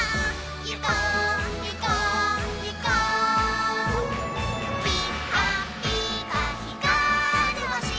「いこういこういこう」「ぴかぴかひかるほし